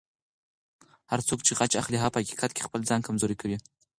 هر څوک چې غچ اخلي، هغه په حقیقت کې خپل ځان کمزوری کوي.